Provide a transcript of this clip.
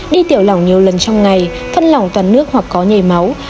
đi tiểu lỏng nhiều lần trong ngày phân lỏng toàn nước hoặc có nhảy máu